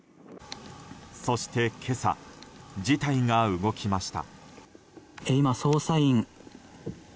そして、今朝事態が動きました。